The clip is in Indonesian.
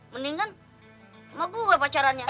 mendingan sama gua pacarannya